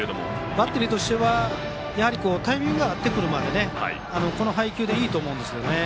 バッテリーとしてはタイミングが合ってくるまでこの配球でいいと思うんですね。